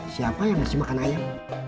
siapa yang ngasih makan ayam